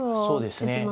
そうですね。